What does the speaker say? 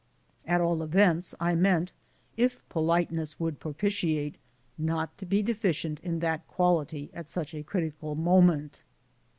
At all events, I meant, if politeness would propitiate, not to be deficient in that quality at such a critical moment.